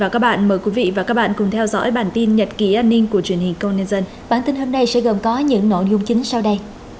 các bạn hãy đăng ký kênh để ủng hộ kênh của chúng mình nhé